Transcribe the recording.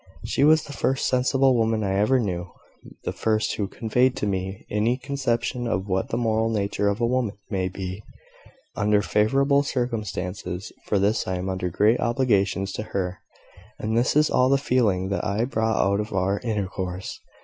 She was the first sensible woman I ever knew the first who conveyed to me any conception of what the moral nature of a woman may be, under favourable circumstances. For this I am under great obligations to her; and this is all the feeling that I brought out of our intercourse.